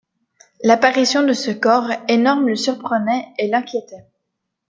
L’apparition de ce corps énorme le surprenait et l’inquiétait.